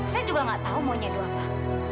saya juga nggak tahu maunya edo apa